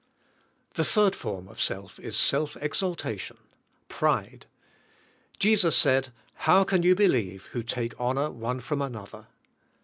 The third form of self is self exaltation, pride. Jesus said, *'How can ye believe, who take honor one from another."